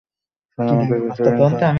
Sir, আমাকে যেতে দিন, স্যার।